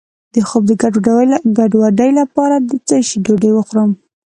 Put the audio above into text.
د خوب د ګډوډۍ لپاره د څه شي ډوډۍ وخورم؟